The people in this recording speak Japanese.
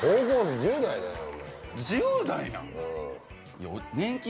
１０代なん？